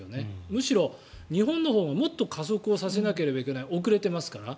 むしろ日本のほうがもっと加速させなければいけない遅れていますから。